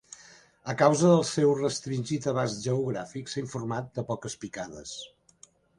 A causa del seu restringit abast geogràfic, s'ha informat de poques picades.